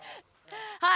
はい。